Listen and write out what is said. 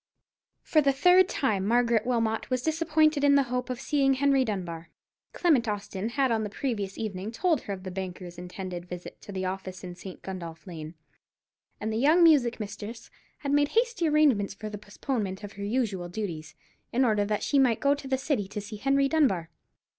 For the third time Margaret Wilmot was disappointed in the hope of seeing Henry Dunbar. Clement Austin had on the previous evening told her of the banker's intended visit to the office in St. Gundolph Lane, and the young music mistress had made hasty arrangements for the postponement of her usual duties, in order that she might go to the City to see Henry Dunbar.